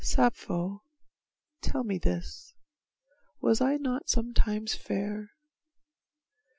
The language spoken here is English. Sappho, tell me this, Was I not sometimes fair?